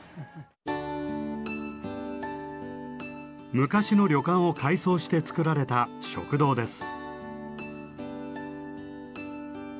昔の旅館を改装して作られた食堂です。